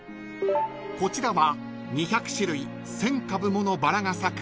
［こちらは２００種類１，０００株ものバラが咲く］